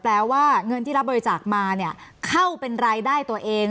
ว่าเงินที่รับบริจาคมาเนี่ยเข้าเป็นรายได้ตัวเอง